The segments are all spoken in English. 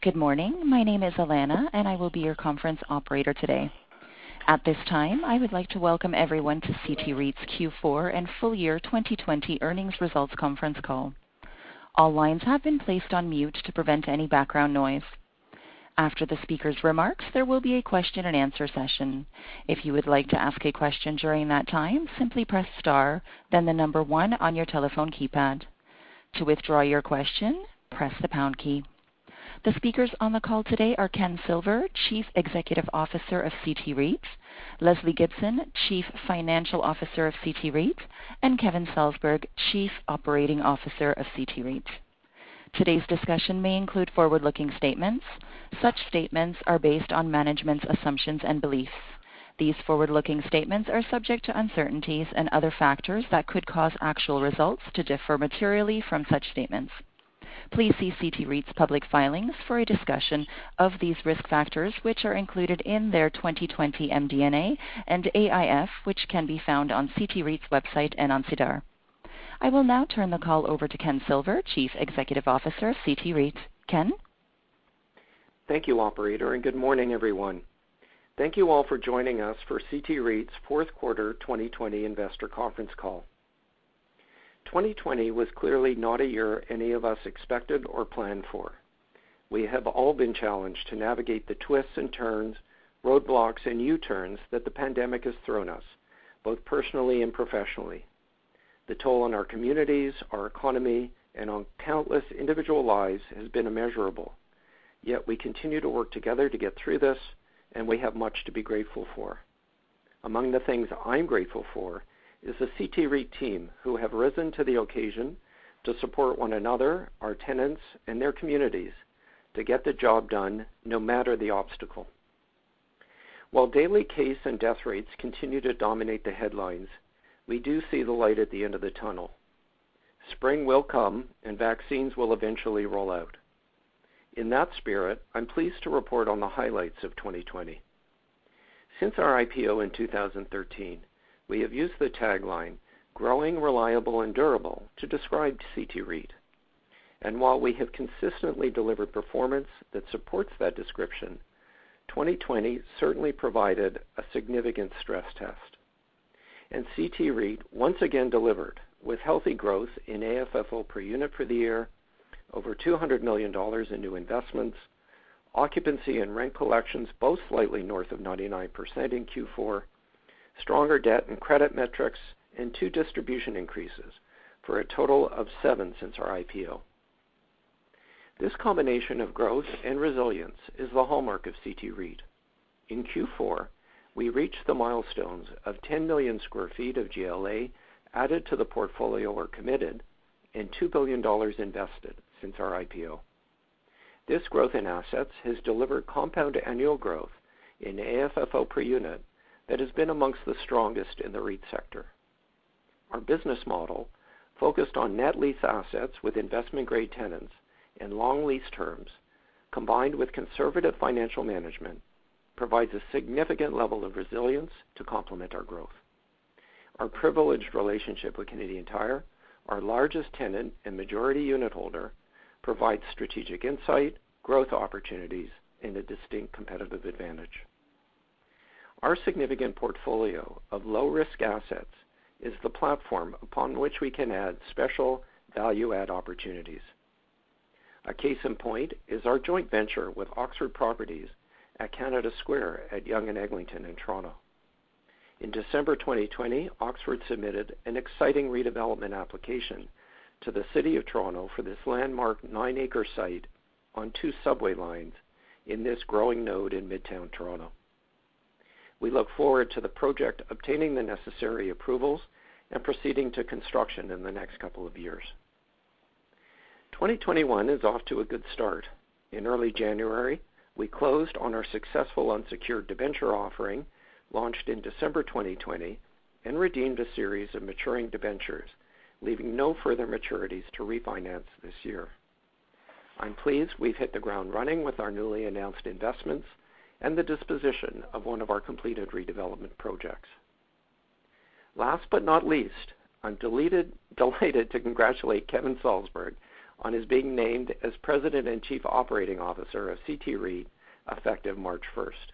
Good morning. My name is Alana, and I will be your conference operator today. At this time, I would like to welcome everyone to CT REIT's Q4 and full year 2020 earnings results conference call. All lines have been placed in mute to prevent any background noise. After the speakers remarks their will be a question and answer session. If you would like to ask a question during that time simply press star then number one on your telephone keypad. To withdraw your question press the pound key. The speakers on the call today are Ken Silver, Chief Executive Officer of CT REIT, Lesley Gibson, Chief Financial Officer of CT REIT, and Kevin Salsberg, Chief Operating Officer of CT REIT. Today's discussion may include forward-looking statements. Such statements are based on management's assumptions and beliefs. These forward-looking statements are subject to uncertainties and other factors that could cause actual results to differ materially from such statements. Please see CT REIT's public filings for a discussion of these risk factors, which are included in their 2020 MD&A and AIF, which can be found on CT REIT's website and on SEDAR. I will now turn the call over to Ken Silver, Chief Executive Officer of CT REIT. Ken? Thank you, operator, and good morning, everyone. Thank you all for joining us for CT REIT's fourth quarter 2020 investor conference call. 2020 was clearly not a year any of us expected or planned for. We have all been challenged to navigate the twists and turns, roadblocks, and U-turns that the pandemic has thrown us, both personally and professionally. The toll on our communities, our economy, and on countless individual lives has been immeasurable. Yet, we continue to work together to get through this, and we have much to be grateful for. Among the things I'm grateful for is the CT REIT team who have risen to the occasion to support one another, our tenants, and their communities to get the job done, no matter the obstacle. While daily case and death rates continue to dominate the headlines, we do see the light at the end of the tunnel. Spring will come, and vaccines will eventually roll out. In that spirit, I'm pleased to report on the highlights of 2020. Since our IPO in 2013, we have used the tagline "growing, reliable, and durable" to describe CT REIT. While we have consistently delivered performance that supports that description, 2020 certainly provided a significant stress test. CT REIT once again delivered with healthy growth in AFFO per unit for the year, over 200 million dollars in new investments, occupancy and rent collections both slightly north of 99% in Q4, stronger debt and credit metrics, and two distribution increases for a total of seven since our IPO. This combination of growth and resilience is the hallmark of CT REIT. In Q4, we reached the milestones of 10 million square feet of GLA added to the portfolio or committed and 2 billion dollars invested since our IPO. This growth in assets has delivered compound annual growth in AFFO per unit that has been amongst the strongest in the REIT sector. Our business model, focused on net lease assets with investment-grade tenants and long lease terms, combined with conservative financial management, provides a significant level of resilience to complement our growth. Our privileged relationship with Canadian Tire, our largest tenant and majority unitholder, provides strategic insight, growth opportunities, and a distinct competitive advantage. Our significant portfolio of low-risk assets is the platform upon which we can add special value-add opportunities. A case in point is our joint venture with Oxford Properties at Canada Square at Yonge and Eglinton in Toronto. In December 2020, Oxford submitted an exciting redevelopment application to the City of Toronto for this landmark nine-acre site on two subway lines in this growing node in midtown Toronto. We look forward to the project obtaining the necessary approvals and proceeding to construction in the next couple of years. 2021 is off to a good start. In early January, we closed on our successful unsecured debenture offering launched in December 2020 and redeemed a series of maturing debentures, leaving no further maturities to refinance this year. I'm pleased we've hit the ground running with our newly announced investments and the disposition of one of our completed redevelopment projects. Last but not least, I'm delighted to congratulate Kevin Salsberg on his being named as President and Chief Operating Officer of CT REIT effective March 1st.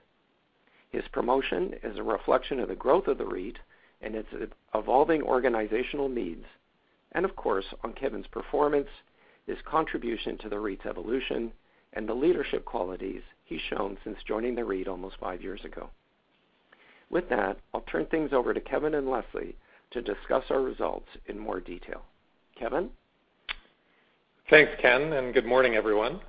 His promotion is a reflection of the growth of the REIT and its evolving organizational needs. Of course, on Kevin's performance, his contribution to the REIT's evolution, and the leadership qualities he's shown since joining the REIT almost five years ago. With that, I'll turn things over to Kevin and Lesley to discuss our results in more detail. Kevin? Thanks, Ken, and good morning, everyone.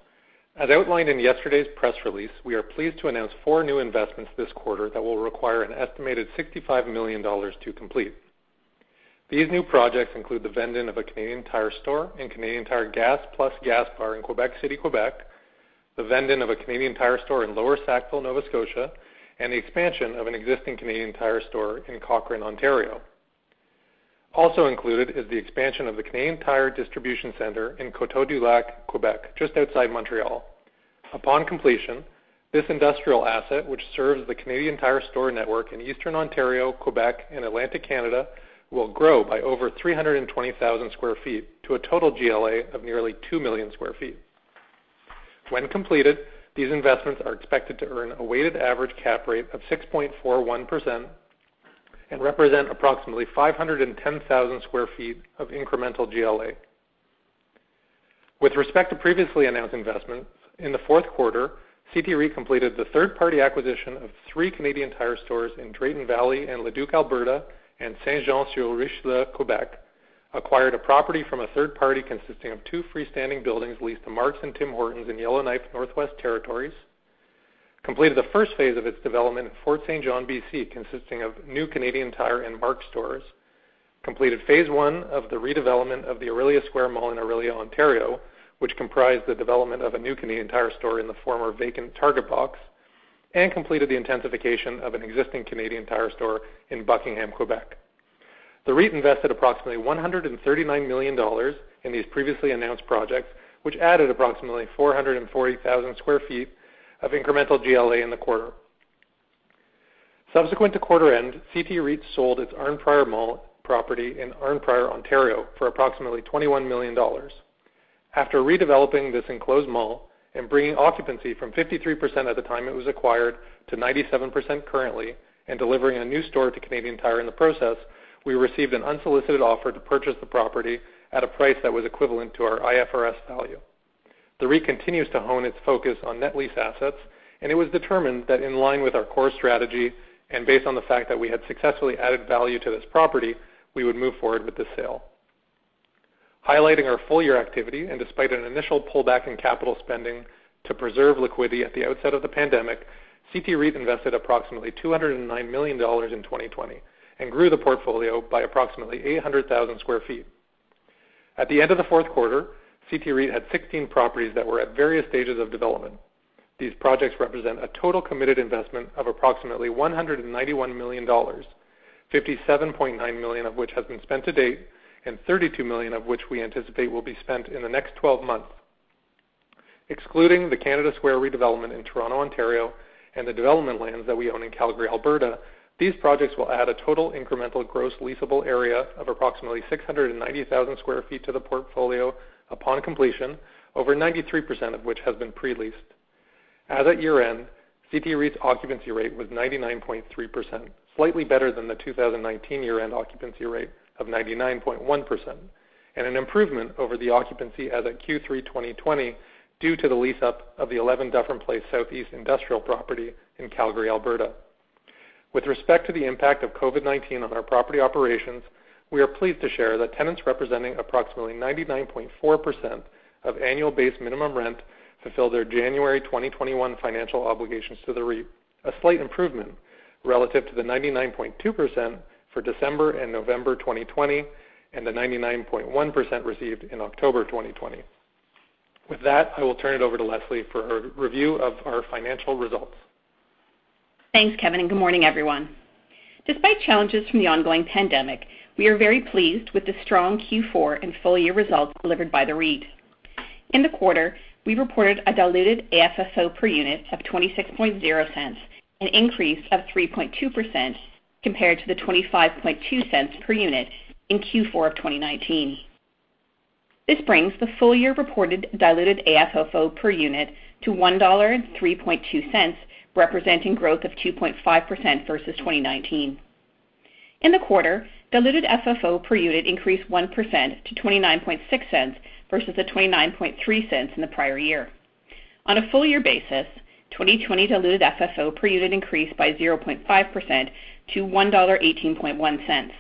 As outlined in yesterday's press release, we are pleased to announce four new investments this quarter that will require an estimated 65 million dollars to complete. These new projects include the vend-in of a Canadian Tire store and Canadian Tire Gas+ gas bar in Quebec City, Quebec, the vend-in of a Canadian Tire store in Lower Sackville, Nova Scotia, and the expansion of an existing Canadian Tire store in Cochrane, Ontario. Also included is the expansion of the Canadian Tire Distribution Center in Côteau-du-Lac, Quebec, just outside Montreal. Upon completion This industrial asset, which serves the Canadian Tire store network in Eastern Ontario, Quebec, and Atlantic Canada, will grow by over 320,000 sq ft to a total GLA of nearly 2 million square feet. When completed, these investments are expected to earn a weighted average cap rate of 6.41% and represent approximately 510,000 sq ft of incremental GLA. With respect to previously announced investments, in the fourth quarter, CT REIT completed the third-party acquisition of three Canadian Tire stores in Drayton Valley and Leduc, Alberta, and Saint-Jean-sur-Richelieu, Quebec, acquired a property from a third party consisting of two freestanding buildings leased to Mark's and Tim Hortons in Yellowknife in Northwest Territories, completed the first phase of its development in Fort St. John, BC, consisting of new Canadian Tire and Mark's stores, completed phase I of the redevelopment of the Orillia Square Mall in Orillia, Ontario, which comprised the development of a new Canadian Tire store in the former vacant Target box, and completed the intensification of an existing Canadian Tire store in Buckingham, Quebec. The REIT invested approximately 139 million dollars in these previously announced projects, which added approximately 440,000 sq ft of incremental GLA in the quarter. Subsequent to quarter end, CT REIT sold its Arnprior Mall property in Arnprior, Ontario for approximately 21 million dollars. After redeveloping this enclosed mall and bringing occupancy from 53% at the time it was acquired to 97% currently, and delivering a new store to Canadian Tire in the process, we received an unsolicited offer to purchase the property at a price that was equivalent to our IFRS value. The REIT continues to hone its focus on net lease assets, and it was determined that in line with our core strategy and based on the fact that we had successfully added value to this property, we would move forward with the sale. Highlighting our full-year activity, and despite an initial pullback in capital spending to preserve liquidity at the outset of the pandemic, CT REIT invested approximately 209 million dollars in 2020 and grew the portfolio by approximately 800,000 sq ft. At the end of the fourth quarter, CT REIT had 16 properties that were at various stages of development. These projects represent a total committed investment of approximately 191 million dollars, 57.9 million of which has been spent to date and 32 million of which we anticipate will be spent in the next 12 months. Excluding the Canada Square redevelopment in Toronto, Ontario and the development lands that we own in Calgary, Alberta, these projects will add a total incremental gross leasable area of approximately 690,000 sq ft to the portfolio upon completion, over 93% of which has been pre-leased. As at year-end, CT REIT's occupancy rate was 99.3%, slightly better than the 2019 year-end occupancy rate of 99.1%, and an improvement over the occupancy as of Q3 2020 due to the lease up of the 11 Dufferin Place Southeast industrial property in Calgary, Alberta. With respect to the impact of COVID-19 on our property operations, we are pleased to share that tenants representing approximately 99.4% of annual base minimum rent fulfill their January 2021 financial obligations to the REIT, a slight improvement relative to the 99.2% for December and November 2020 and the 99.1% received in October 2020. With that, I will turn it over to Lesley for her review of our financial results. Thanks, Kevin, good morning, everyone. Despite challenges from the ongoing pandemic, we are very pleased with the strong Q4 and full-year results delivered by the REIT. In the quarter, we reported a diluted AFFO per unit of 0.260, an increase of 3.2% compared to the 0.252 per unit in Q4 of 2019. This brings the full-year reported diluted AFFO per unit to 1.032 dollar, representing growth of 2.5% versus 2019. In the quarter, diluted FFO per unit increased 1% to 0.296 versus the 0.293 in the prior year. On a full-year basis, 2020 diluted FFO per unit increased by 0.5% to 1.181 dollar.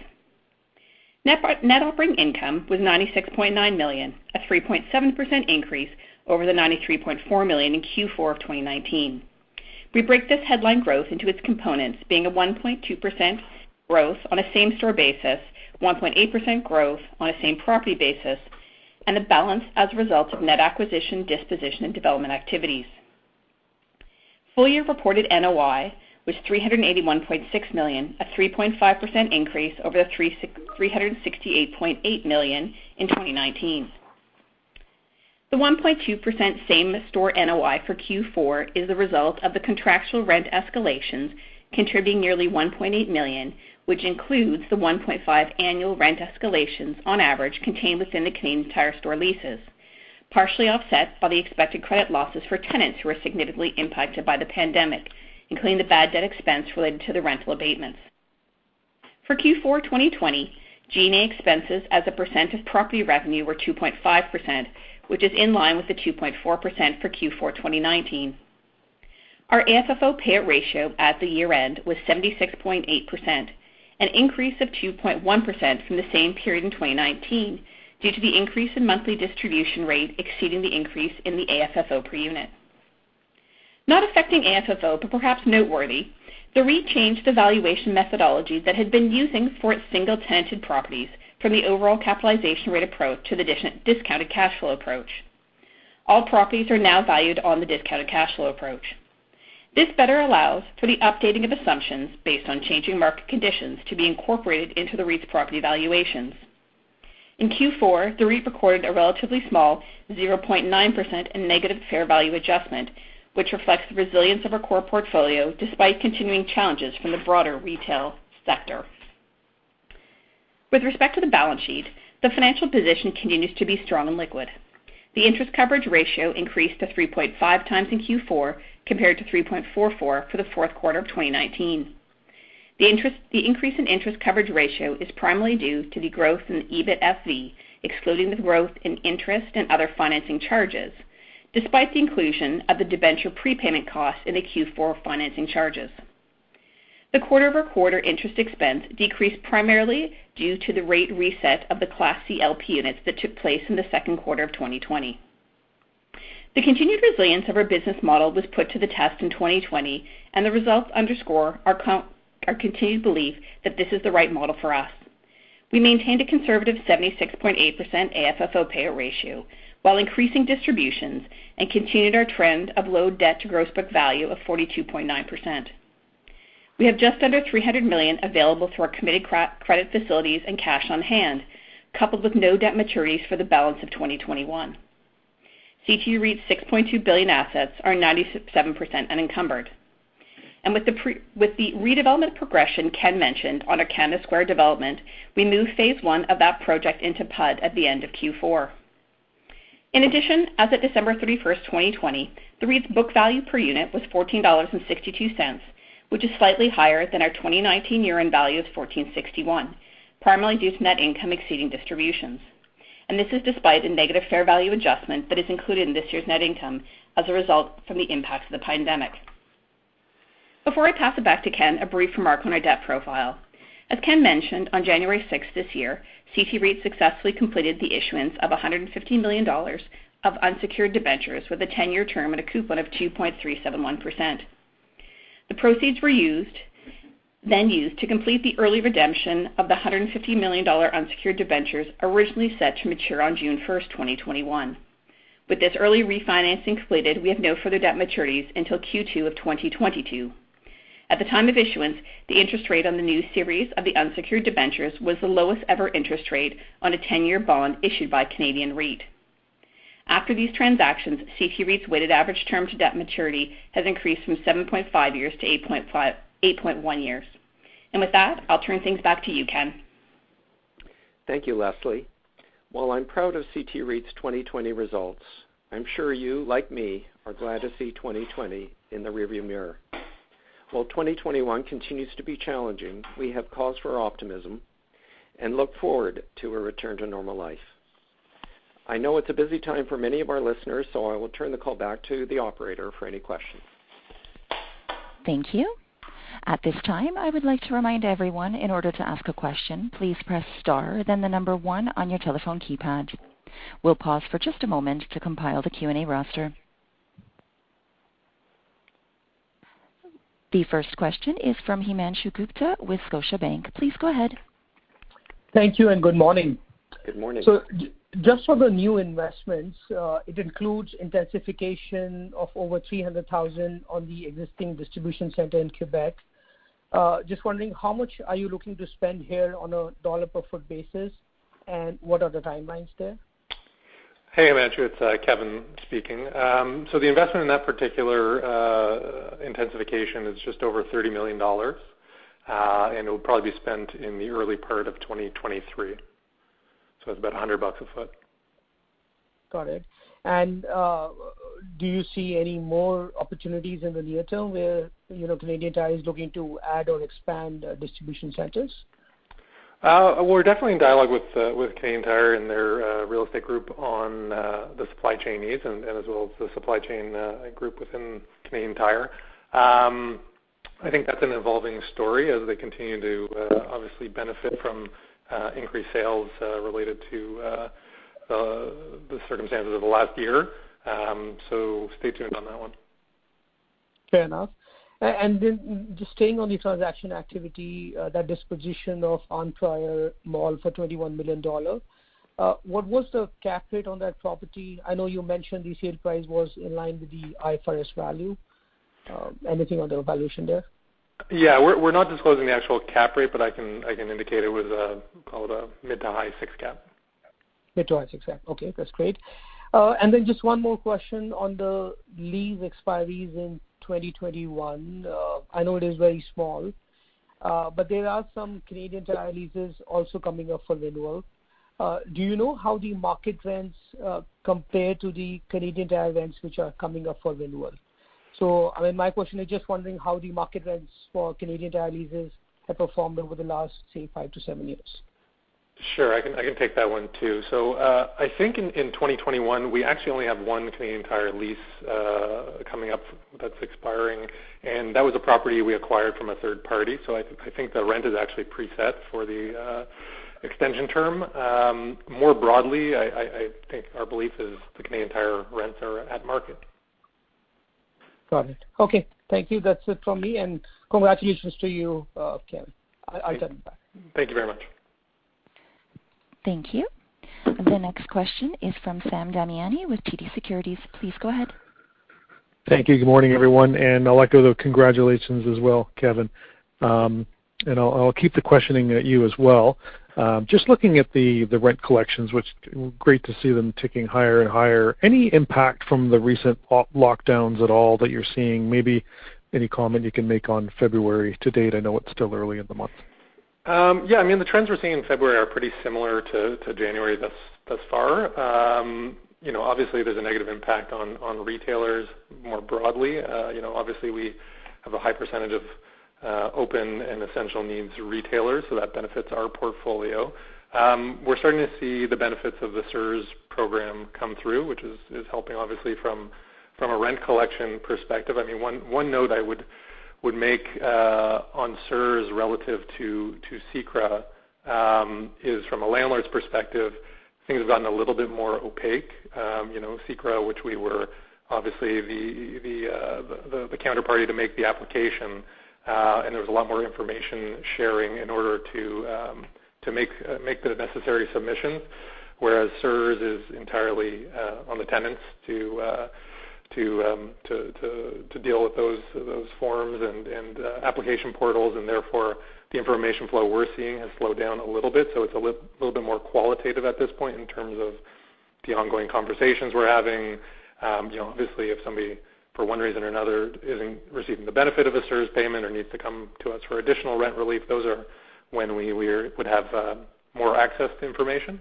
Net operating income was 96.9 million, a 3.7% increase over the 93.4 million in Q4 of 2019. We break this headline growth into its components, being a 1.2% growth on a same-store basis, 1.8% growth on a same-property basis, and the balance as a result of net acquisition, disposition, and development activities. Full-year reported NOI was 381.6 million, a 3.5% increase over the 368.8 million in 2019. The 1.2% same store NOI for Q4 is the result of the contractual rent escalations contributing nearly 1.8 million, which includes the 1.5 annual rent escalations on average contained within the Canadian Tire store leases, partially offset by the expected credit losses for tenants who were significantly impacted by the pandemic, including the bad debt expense related to the rental abatements. For Q4 2020, G&A expenses as a % of property revenue were 2.5%, which is in line with the 2.4% for Q4 2019. Our AFFO payout ratio at the year-end was 76.8%, an increase of 2.1% from the same period in 2019 due to the increase in monthly distribution rate exceeding the increase in the AFFO per unit. Not affecting AFFO, but perhaps noteworthy, the REIT changed the valuation methodology that it had been using for its single-tenanted properties from the overall capitalization rate approach to the discounted cash flow approach. All properties are now valued on the discounted cash flow approach. This better allows for the updating of assumptions based on changing market conditions to be incorporated into the REIT's property valuations. In Q4, the REIT recorded a relatively small 0.9% in negative fair value adjustment, which reflects the resilience of our core portfolio despite continuing challenges from the broader retail sector. With respect to the balance sheet, the financial position continues to be strong and liquid. The interest coverage ratio increased to 3.5x in Q4 compared to 3.44 for the fourth quarter of 2019. The increase in interest coverage ratio is primarily due to the growth in the EBITDA, excluding the growth in interest and other financing charges, despite the inclusion of the debenture prepayment costs in the Q4 financing charges. The quarter-over-quarter interest expense decreased primarily due to the rate reset of the Class C LP Units that took place in the second quarter of 2020. The continued resilience of our business model was put to the test in 2020, and the results underscore our continued belief that this is the right model for us. We maintained a conservative 76.8% AFFO payout ratio while increasing distributions and continued our trend of low debt to gross book value of 42.9%. We have just under 300 million available through our committed credit facilities and cash on hand, coupled with no debt maturities for the balance of 2021. CT REIT's 6.2 billion assets are 97% unencumbered. With the redevelopment progression Ken mentioned on our Canada Square development, we moved phase I of that project into PUD at the end of Q4. In addition, as of December 31st, 2020, the REIT's book value per unit was 14.62 dollars, which is slightly higher than our 2019 year-end value of 14.61, primarily due to net income exceeding distributions. This is despite the negative fair value adjustment that is included in this year's net income as a result from the impacts of the pandemic. Before I pass it back to Ken, a brief remark on our debt profile. As Ken mentioned, on January 6th this year, CT REIT successfully completed the issuance of 115 million dollars of unsecured debentures with a 10-year term at a coupon of 2.371%. The proceeds were then used to complete the early redemption of the 150 million dollar unsecured debentures originally set to mature on June 1st, 2021. With this early refinancing completed, we have no further debt maturities until Q2 of 2022. At the time of issuance, the interest rate on the new series of the unsecured debentures was the lowest ever interest rate on a 10-year bond issued by Canadian REIT. After these transactions, CT REIT's weighted average term to debt maturity has increased from 7.5 years-8.1 years. With that, I'll turn things back to you, Ken. Thank you, Lesley. While I'm proud of CT REIT's 2020 results, I'm sure you, like me, are glad to see 2020 in the rearview mirror. While 2021 continues to be challenging, we have cause for optimism and look forward to a return to normal life. I know it's a busy time for many of our listeners, I will turn the call back to the operator for any questions. Thank you. At this time, I would like to remind everyone, in order to ask a question, please press star then the number one on your telephone keypad. We will pause for just a moment to compile the Q&A roster. The first question is from Himanshu Gupta with Scotiabank. Please go ahead. Thank you and good morning. Good morning. Just on the new investments, it includes intensification of over 300,000 on the existing distribution center in Quebec. Just wondering how much are you looking to spend here on a CAD per foot basis, and what are the timelines there? Hey, Himanshu, it's Kevin speaking. The investment in that particular intensification is just over 30 million dollars, and it will probably be spent in the early part of 2023. It's about 100 bucks a foot. Got it. Do you see any more opportunities in the near term where Canadian Tire is looking to add or expand distribution centers? We're definitely in dialogue with Canadian Tire and their real estate group on the supply chain needs and as well as the supply chain group within Canadian Tire. I think that's an evolving story as they continue to obviously benefit from increased sales related to the circumstances of the last year. Stay tuned on that one. Fair enough. Just staying on the transaction activity, that disposition of Arnprior Mall for 21 million dollars. What was the cap rate on that property? I know you mentioned the sale price was in line with the IFRS value. Anything on the valuation there? Yeah. We're not disclosing the actual cap rate, but I can indicate it was called a mid to high six cap. Mid to high six cap. Okay, that's great. Just one more question on the lease expiries in 2021. I know it is very small, but there are some Canadian Tire leases also coming up for renewal. Do you know how the market rents compare to the Canadian Tire rents which are coming up for renewal? My question is just wondering how the market rents for Canadian Tire leases have performed over the last, say, five to seven years. Sure, I can take that one, too. I think in 2021, we actually only have one Canadian Tire lease coming up that's expiring, and that was a property we acquired from a third party. I think the rent is actually preset for the extension term. More broadly, I think our belief is the Canadian Tire rents are at market. Got it. Okay. Thank you. That's it from me, and congratulations to you, Ken. I'll turn it back. Thank you very much. Thank you. The next question is from Sam Damiani with TD Securities. Please go ahead. Thank you. Good morning, everyone. I'd like to offer congratulations as well, Kevin. I'll keep the questioning at you as well. Just looking at the rent collections, which great to see them ticking higher and higher. Any impact from the recent lockdowns at all that you're seeing? Maybe any comment you can make on February to date? I know it's still early in the month. Yeah, the trends we're seeing in February are pretty similar to January thus far. Obviously, there's a negative impact on retailers more broadly. Obviously, we have a high percentage of open and essential needs retailers, so that benefits our portfolio. We're starting to see the benefits of the CERS program come through, which is helping obviously from a rent collection perspective. One note I would make on CERS relative to CECRA is from a landlord's perspective, things have gotten a little bit more opaque. CECRA, which we were obviously the counterparty to make the application, and there was a lot more information sharing in order to make the necessary submissions, whereas CERS is entirely on the tenants to deal with those forms and application portals, and therefore the information flow we're seeing has slowed down a little bit. It's a little bit more qualitative at this point in terms of the ongoing conversations we're having. Obviously, if somebody, for one reason or another, isn't receiving the benefit of a CERS payment or needs to come to us for additional rent relief, those are when we would have more access to information.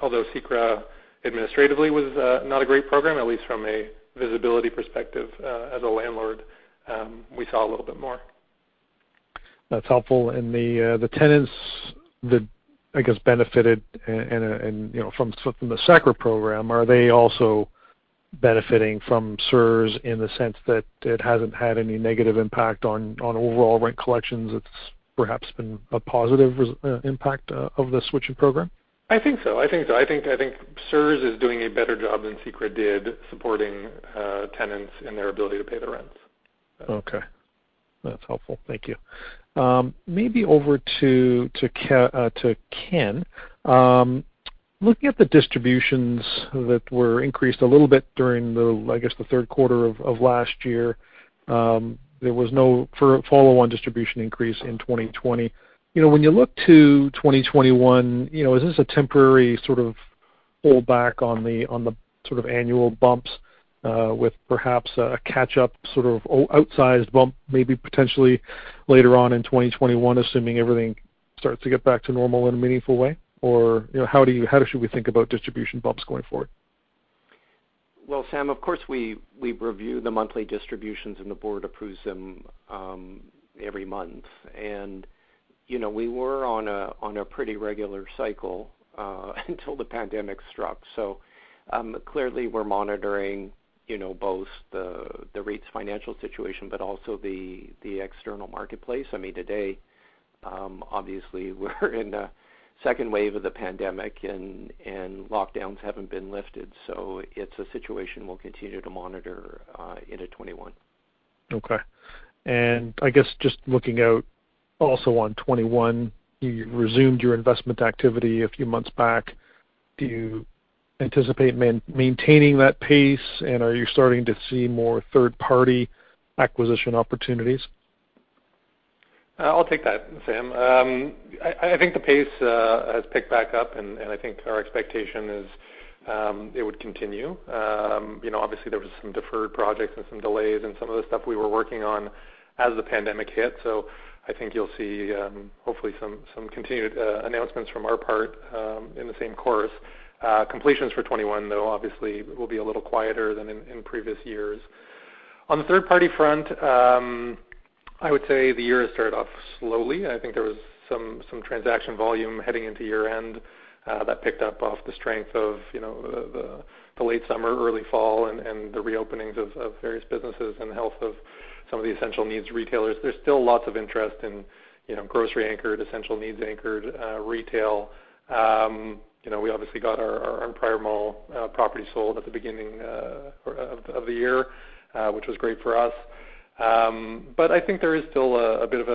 Although CECRA administratively was not a great program, at least from a visibility perspective, as a landlord, we saw a little bit more. That's helpful. The tenants that, I guess, benefited from the CECRA program, are they also benefiting from CERS in the sense that it hasn't had any negative impact on overall rent collections? It's perhaps been a positive impact of the switching program? I think so. I think CERS is doing a better job than CECRA did supporting tenants in their ability to pay their rents. Okay. That's helpful. Thank you. Maybe over to Ken. Looking at the distributions that were increased a little bit during the, I guess, the third quarter of last year, there was no follow-on distribution increase in 2020. When you look to 2021, is this a temporary sort of hold back on the sort of annual bumps with perhaps a catch-up sort of outsized bump maybe potentially later on in 2021, assuming everything starts to get back to normal in a meaningful way? Or how should we think about distribution bumps going forward? Well, Sam, of course, we review the monthly distributions, and the board approves them every month. We were on a pretty regular cycle until the pandemic struck. Clearly we're monitoring both the REIT's financial situation, but also the external marketplace. Today, obviously, we're in a second wave of the pandemic, and lockdowns haven't been lifted, so it's a situation we'll continue to monitor into 2021. Okay. I guess just looking out also on 2021, you resumed your investment activity a few months back. Do you anticipate maintaining that pace, and are you starting to see more third-party acquisition opportunities? I'll take that, Sam. I think the pace has picked back up, and I think our expectation is it would continue. Obviously, there was some deferred projects and some delays and some of the stuff we were working on as the pandemic hit. I think you'll see hopefully some continued announcements from our part in the same course. Completions for 2021, though, obviously, will be a little quieter than in previous years. On the third-party front, I would say the year has started off slowly. I think there was some transaction volume heading into year-end that picked up off the strength of the late summer, early fall, and the reopenings of various businesses and health of some of the essential needs retailers. There's still lots of interest in grocery-anchored, essential needs-anchored retail. We obviously got our Arnprior Mall property sold at the beginning of the year, which was great for us. I think there is still a bit of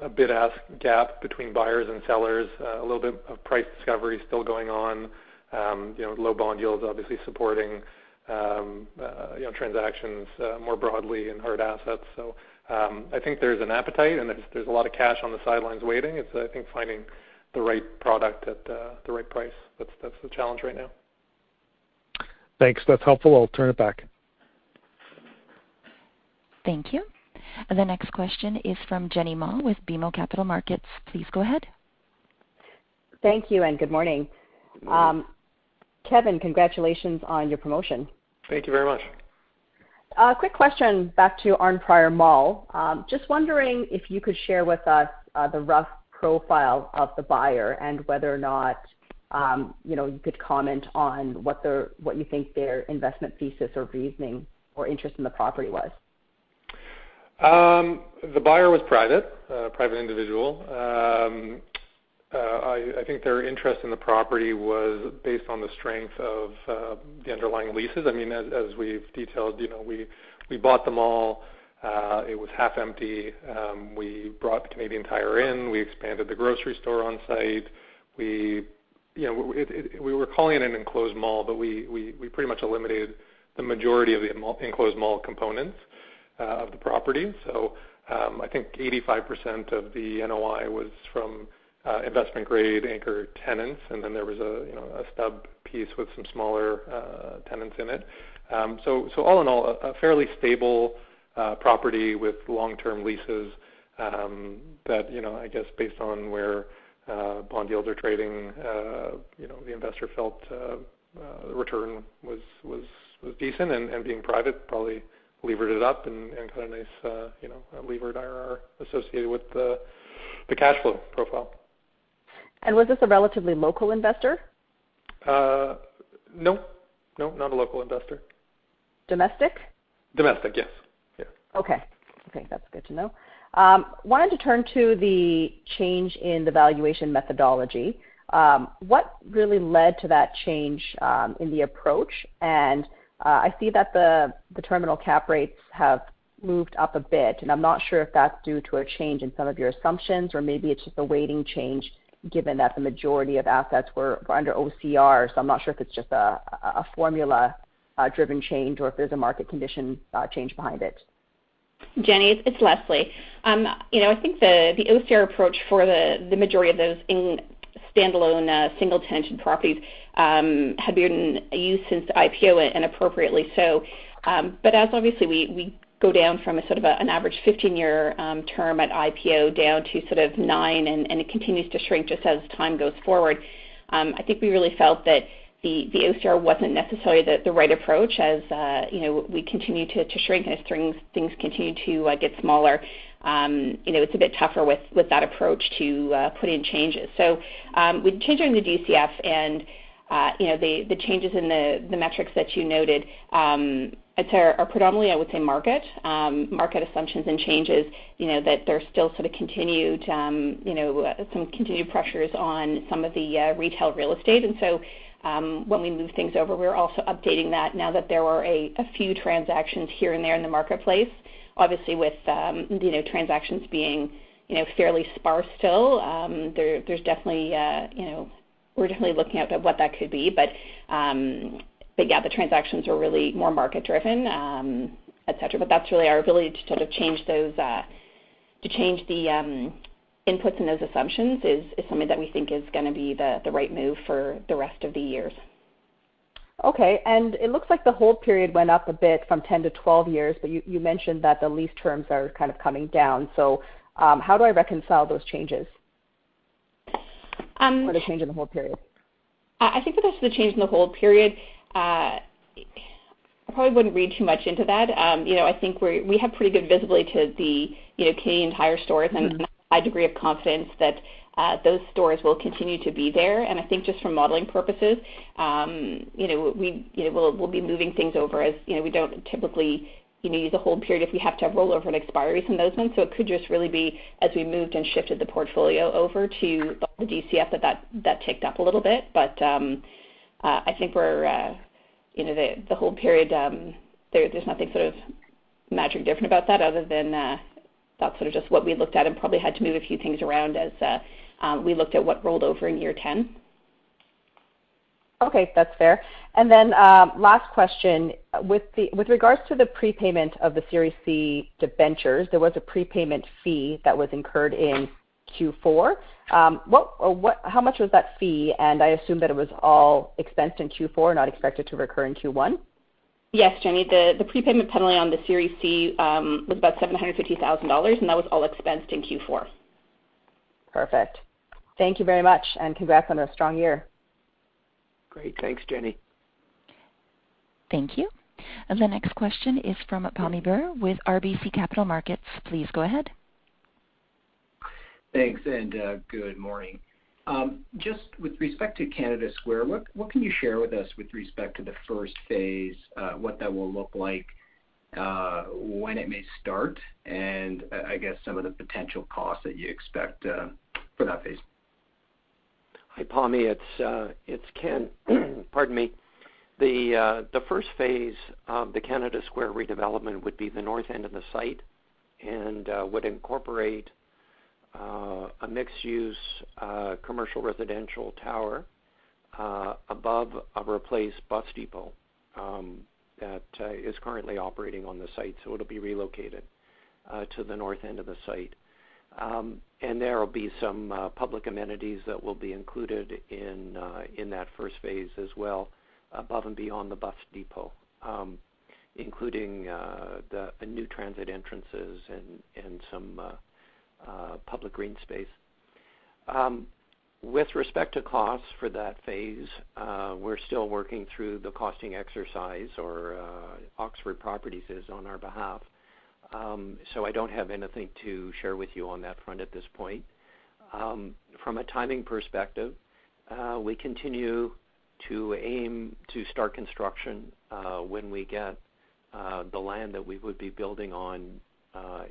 a bid-ask gap between buyers and sellers. A little bit of price discovery still going on. Low bond yields obviously supporting transactions more broadly in hard assets. I think there's an appetite, and there's a lot of cash on the sidelines waiting. It's, I think, finding the right product at the right price. That's the challenge right now. Thanks. That's helpful. I'll turn it back. Thank you. The next question is from Jenny Ma with BMO Capital Markets. Please go ahead. Thank you, and good morning. Good morning. Kevin, congratulations on your promotion. Thank you very much. Quick question back to Arnprior Mall. Just wondering if you could share with us the rough profile of the buyer and whether or not you could comment on what you think their investment thesis or reasoning or interest in the property was? The buyer was private, a private individual. I think their interest in the property was based on the strength of the underlying leases. As we've detailed, we bought the mall. It was half empty. We brought Canadian Tire in. We expanded the grocery store on-site. We were calling it an enclosed mall, but we pretty much eliminated the majority of the enclosed mall components of the property. I think 85% of the NOI was from investment-grade anchor tenants, and then there was a stub piece with some smaller tenants in it. All in all, a fairly stable property with long-term leases that, I guess, based on where bond yields are trading, the investor felt return was decent and being private, probably levered it up and got a nice levered IRR associated with the cash flow profile. Was this a relatively local investor? No, not a local investor. Domestic? Domestic, yes. Okay. That's good to know. I wanted to turn to the change in the valuation methodology. What really led to that change in the approach? I see that the terminal cap rates have moved up a bit, and I'm not sure if that's due to a change in some of your assumptions or maybe it's just a weighting change, given that the majority of assets were under OCR. I'm not sure if it's just a formula-driven change or if there's a market condition change behind it. Jenny, it's Lesley. I think the OCR approach for the majority of those in standalone, single-tenant properties, have been in use since IPO and appropriately so. As obviously we go down from a sort of an average 15-year term at IPO down to sort of nine, and it continues to shrink just as time goes forward, I think we really felt that the OCR wasn't necessarily the right approach as we continue to shrink and as things continue to get smaller. It's a bit tougher with that approach to put in changes. With changing the DCF and the changes in the metrics that you noted, are predominantly, I would say, market assumptions and changes. That there's still some continued pressures on some of the retail real estate. When we move things over, we're also updating that now that there were a few transactions here and there in the marketplace. Obviously, with transactions being fairly sparse still, we're definitely looking at what that could be. Yeah, the transactions are really more market-driven, et cetera. That's really our ability to change the inputs and those assumptions is something that we think is going to be the right move for the rest of the years. Okay. It looks like the hold period went up a bit from 10-12 years, but you mentioned that the lease terms are kind of coming down. How do I reconcile those changes or the change in the hold period? I think for the rest of the change in the hold period, I probably wouldn't read too much into that. I think we have pretty good visibility to the Canadian Tire stores and a high degree of confidence that those stores will continue to be there. I think just for modeling purposes, we'll be moving things over as we don't typically use a hold period if we have to have rollover and expiries in those ones. It could just really be as we moved and shifted the portfolio over to the DCF that that ticked up a little bit. I think the hold period, there's nothing sort of magic different about that other than that's sort of just what we looked at and probably had to move a few things around as we looked at what rolled over in year 10. Okay. That's fair. Last question. With regards to the prepayment of the Series C debentures, there was a prepayment fee that was incurred in Q4. How much was that fee? I assume that it was all expensed in Q4, not expected to recur in Q1. Yes, Jenny, the prepayment penalty on the Series C was about 750,000 dollars, and that was all expensed in Q4. Perfect. Thank you very much, and congrats on a strong year. Great. Thanks, Jenny. Thank you. The next question is from Pammi Bir with RBC Capital Markets. Please go ahead. Thanks, and good morning. Just with respect to Canada Square, what can you share with us with respect to the first phase, what that will look like, when it may start, and I guess some of the potential costs that you expect for that phase? Hi, Pammi. It's Ken. Pardon me. The first phase of the Canada Square redevelopment would be the north end of the site and would incorporate a mixed-use, commercial residential tower above a replaced bus depot that is currently operating on the site. It'll be relocated to the north end of the site. There will be some public amenities that will be included in that first phase as well above and beyond the bus depot, including the new transit entrances and some public green space. With respect to costs for that phase, we're still working through the costing exercise, or Oxford Properties is on our behalf. I don't have anything to share with you on that front at this point. From a timing perspective, we continue to aim to start construction when we get the land that we would be building on,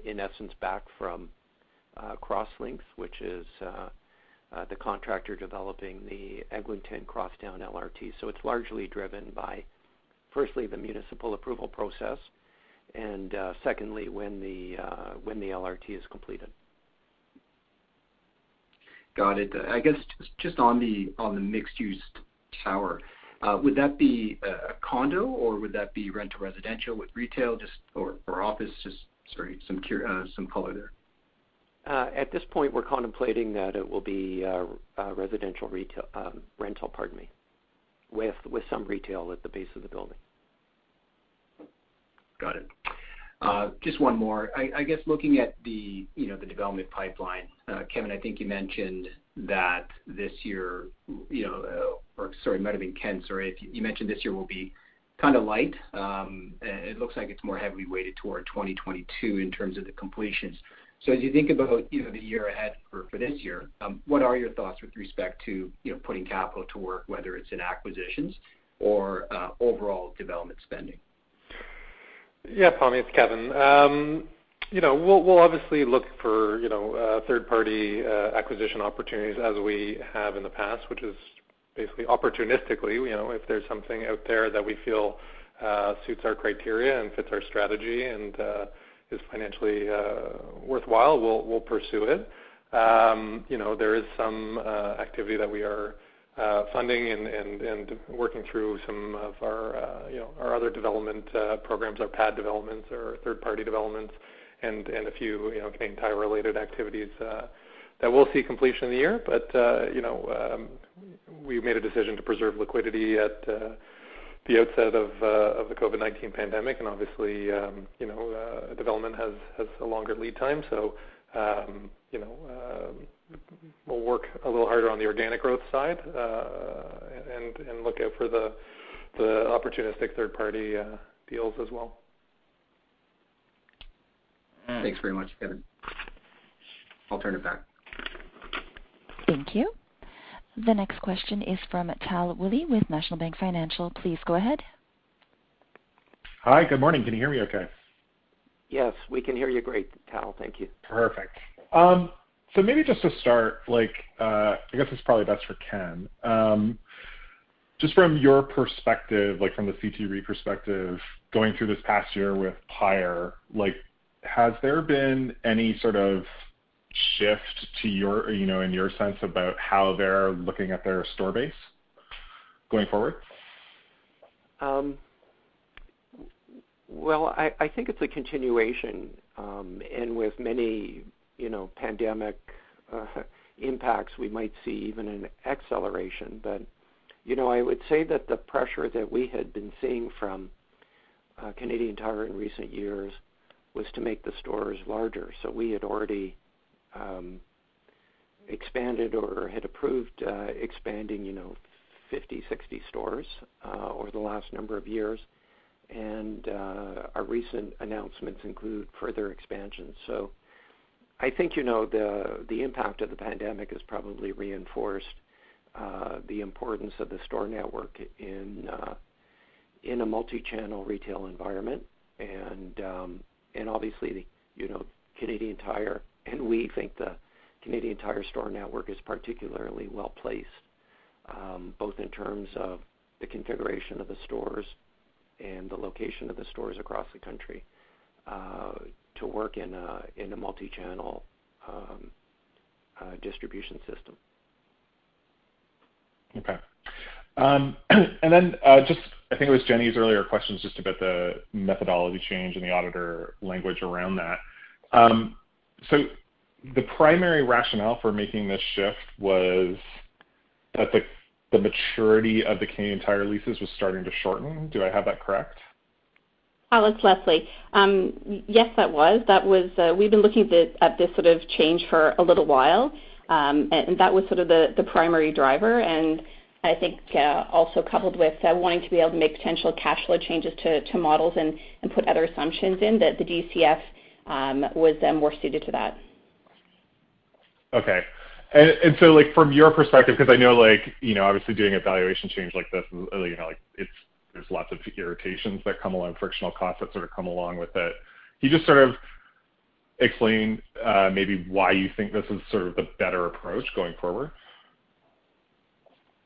in essence, back from Crosslinx, which is the contractor developing the Eglinton Crosstown LRT. It's largely driven by. Firstly, the municipal approval process, and secondly, when the LRT is completed. Got it. I guess, just on the mixed-use tower, would that be a condo, or would that be rental residential with retail or office? Just, sorry, some color there. At this point, we're contemplating that it will be residential rental, with some retail at the base of the building. Got it. Just one more. I guess looking at the development pipeline, Kevin, I think you mentioned that this year, or sorry, it might've been Ken, sorry. You mentioned this year will be kind of light. It looks like it's more heavily weighted toward 2022 in terms of the completions. As you think about the year ahead for this year, what are your thoughts with respect to putting capital to work, whether it's in acquisitions or overall development spending? Yeah, Pammi, it's Kevin. We'll obviously look for third-party acquisition opportunities as we have in the past, which is basically opportunistically. If there's something out there that we feel suits our criteria and fits our strategy and is financially worthwhile, we'll pursue it. There is some activity that we are funding and working through some of our other development programs, our pad developments, our third-party developments, and a few Canadian Tire-related activities that will see completion in the year. We made a decision to preserve liquidity at the outset of the COVID-19 pandemic, and obviously, development has a longer lead time. We'll work a little harder on the organic growth side and look out for the opportunistic third-party deals as well. Thanks very much, Kevin. I'll turn it back. Thank you. The next question is from Tal Woolley with National Bank Financial. Please go ahead. Hi, good morning. Can you hear me okay? Yes, we can hear you great, Tal. Thank you. Perfect. Maybe just to start, I guess it's probably best for Ken. Just from your perspective, from the CT REIT perspective, going through this past year with Pyre, has there been any sort of shift in your sense about how they're looking at their store base going forward? I think it's a continuation, and with many pandemic impacts, we might see even an acceleration. I would say that the pressure that we had been seeing from Canadian Tire in recent years was to make the stores larger. We had already expanded or had approved expanding 50, 60 stores over the last number of years, and our recent announcements include further expansion. I think the impact of the pandemic has probably reinforced the importance of the store network in a multi-channel retail environment. Obviously, Canadian Tire, and we think the Canadian Tire store network is particularly well-placed, both in terms of the configuration of the stores and the location of the stores across the country, to work in a multi-channel distribution system. I think it was Jenny's earlier questions just about the methodology change and the auditor language around that. The primary rationale for making this shift was that the maturity of the Canadian Tire leases was starting to shorten. Do I have that correct? Tal, it's Lesley. Yes, that was. We've been looking at this sort of change for a little while, and that was sort of the primary driver, and I think also coupled with wanting to be able to make potential cash flow changes to models and put other assumptions in that the DCF was more suited to that. Okay. From your perspective, because I know obviously doing a valuation change like this, there's lots of irritations that come along, frictional costs that sort of come along with it. Can you just sort of explain maybe why you think this is sort of the better approach going forward?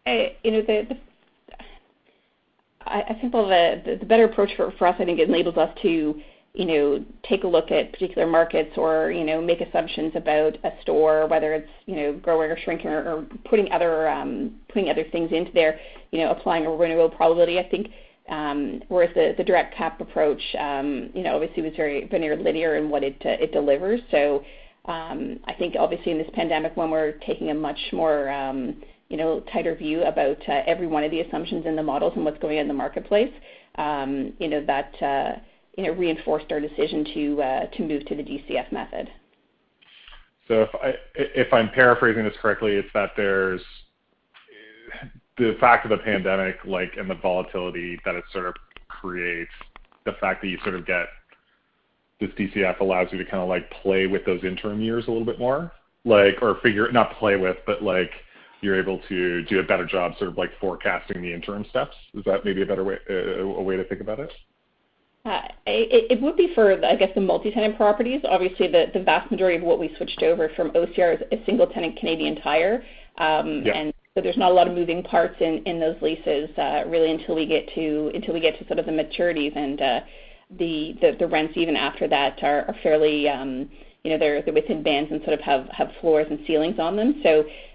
I think the better approach for us, I think it enables us to take a look at particular markets or make assumptions about a store, whether it's growing or shrinking or putting other things into there, applying a renewal probability, I think. Whereas the direct cap approach obviously was very linear in what it delivers. I think obviously in this pandemic, when we're taking a much more tighter view about every one of the assumptions in the models and what's going on in the marketplace, that reinforced our decision to move to the DCF method. If I'm paraphrasing this correctly, it's that there's the fact of the pandemic and the volatility that it sort of creates, the fact that you sort of get this DCF allows you to kind of play with those interim years a little bit more. Not play with, but you're able to do a better job sort of forecasting the interim steps. Is that maybe a better way to think about it? It would be for, I guess, the multi-tenant properties. Obviously, the vast majority of what we switched over from OCR is single-tenant Canadian Tire. Yeah. There's not a lot of moving parts in those leases, really until we get to the maturities and the rents even after that are fairly within bands and have floors and ceilings on them.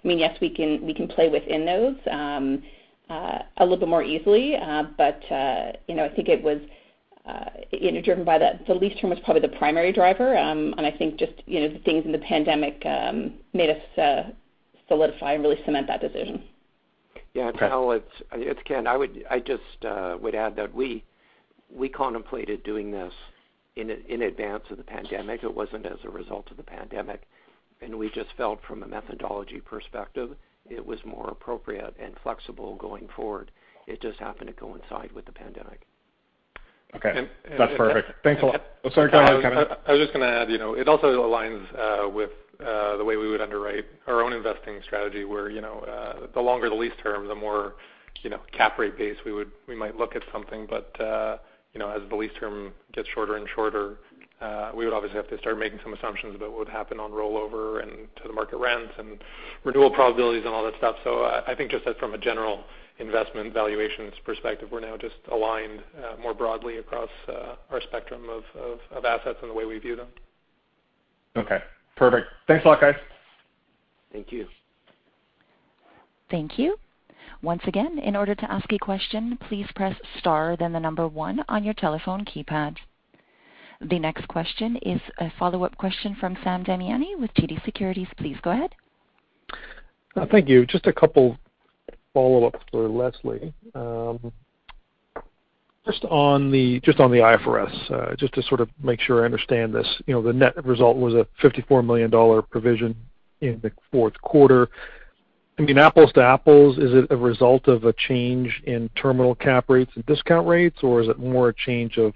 Yes, we can play within those a little bit more easily. I think it was driven by the lease term was probably the primary driver. I think just the things in the pandemic made us solidify and really cement that decision. Yeah. Okay. It's Ken. I just would add that we contemplated doing this in advance of the pandemic. It wasn't as a result of the pandemic, and we just felt from a methodology perspective, it was more appropriate and flexible going forward. It just happened to coincide with the pandemic. Okay. That's perfect. Thanks a lot. Sorry, go ahead, Kevin. I was just going to add, it also aligns with the way we would underwrite our own investing strategy, where the longer the lease term, the more cap rate base we might look at something. As the lease term gets shorter and shorter, we would obviously have to start making some assumptions about what would happen on rollover and to the market rents and renewal probabilities and all that stuff. I think just that from a general investment valuations perspective, we're now just aligned more broadly across our spectrum of assets and the way we view them. Okay, perfect. Thanks a lot, guys. Thank you. Thank you. Once again, in order to ask a question, please press star then the number one on your telephone keypad. The next question is a follow-up question from Sam Damiani with TD Securities. Please go ahead. Thank you. Just a couple follow-ups for Lesley. Just on the IFRS, just to sort of make sure I understand this. The net result was a 54 million dollar provision in the fourth quarter. I mean, apples to apples, is it a result of a change in terminal cap rates and discount rates, or is it more a change of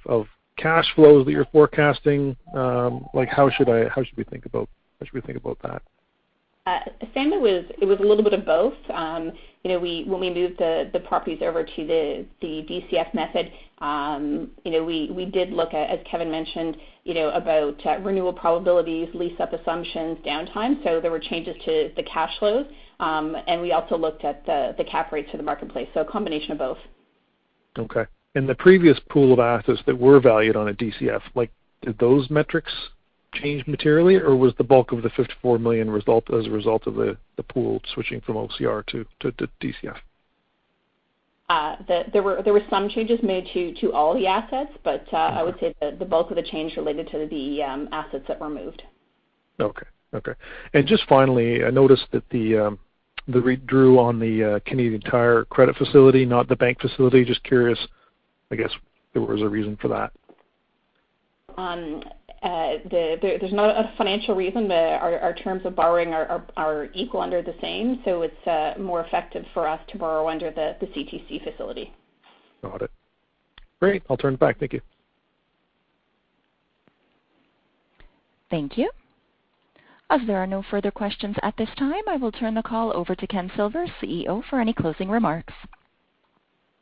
cash flows that you're forecasting? How should we think about that? Sam, it was a little bit of both. When we moved the properties over to the DCF method, we did look at, as Kevin mentioned, about renewal probabilities, lease-up assumptions, downtime. There were changes to the cash flows. We also looked at the cap rates in the marketplace. A combination of both. Okay. In the previous pool of assets that were valued on a DCF, did those metrics change materially, or was the bulk of the 54 million as a result of the pool switching from OCR to DCF? There were some changes made to all the assets, but I would say the bulk of the change related to the assets that were moved. Okay. Just finally, I noticed that the REIT drew on the Canadian Tire credit facility, not the bank facility. Just curious, I guess, if there was a reason for that. There's not a financial reason. Our terms of borrowing are equal under the same. It's more effective for us to borrow under the CTC facility. Got it. Great. I'll turn it back. Thank you. Thank you. As there are no further questions at this time, I will turn the call over to Ken Silver, CEO, for any closing remarks.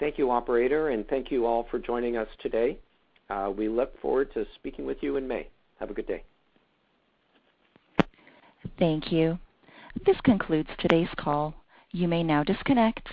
Thank you, operator, and thank you all for joining us today. We look forward to speaking with you in May. Have a good day. Thank you. This concludes today's call. You may now disconnect.